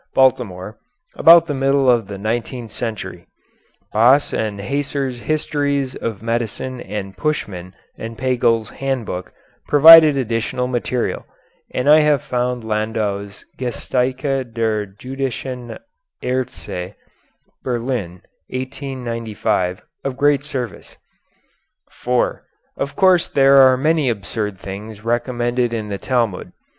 Baltimore, about the middle of the nineteenth century. Baas and Haeser's Histories of Medicine and Puschmann and Pagel's "Handbook" provided additional material, and I have found Landau's "Geschichte der Jüdischen Aerzte" (Berlin, 1895) of great service.] [Footnote 4: Of course there are many absurd things recommended in the Talmud.